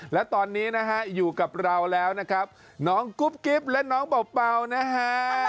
และตอนนี้นะฮะอยู่กับเราแล้วนะครับน้องกุ๊บกิ๊บและน้องเป่านะฮะ